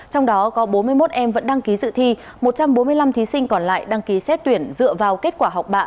trong đó có bốn mươi một em vẫn đăng ký dự thi một trăm bốn mươi năm thí sinh còn lại đăng ký xét tuyển dựa vào kết quả học bạ